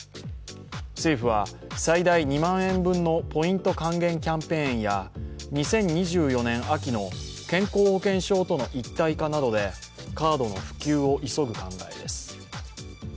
政府は最大２万円分のポイント還元キャンペーンや２０２４年秋の健康保険証との一体化などでカードの普及を急ぐ考えです。